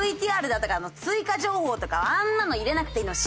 ＶＴＲだとか追加情報とかあんなの入れなくていいの。